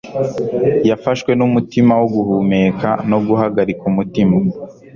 Yafashwe numutima wo guhumeka no guhagarika umutima